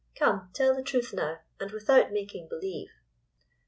Come, tell the truth now, and without making believe.